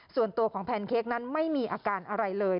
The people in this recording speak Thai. ส่วนตัวของแพนเค้กนั้นไม่มีอาการอะไรเลย